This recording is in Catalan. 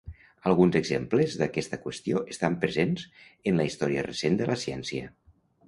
Alguns exemples d'aquesta qüestió estan presents en la història recent de la ciència.